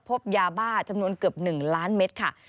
พบยาบ้าจำนวนเกือบ๑ล้านเมตรค่ะ